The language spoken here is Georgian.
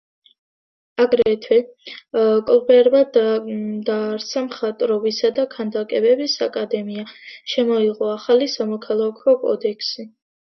აგრეთვე, კოლბერმა დააარსა მხატვრობისა და ქანდაკების აკადემია, შემოიღო ახალი სამოქალაქო კოდექსი.